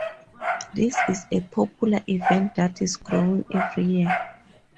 This is a popular event that is growing every year.